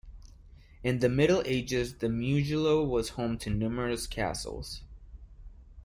In the Middle Ages the Mugello was home to numerous castles.